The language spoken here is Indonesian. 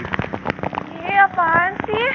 iya apaan sih